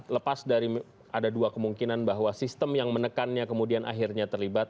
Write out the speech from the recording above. lepas dari ada dua kemungkinan bahwa sistem yang menekannya kemudian akhirnya terlibat